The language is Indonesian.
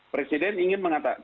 presiden ingin mengatakan